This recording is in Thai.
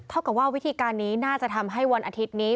กับว่าวิธีการนี้น่าจะทำให้วันอาทิตย์นี้